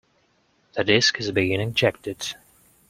The disk is being ejected.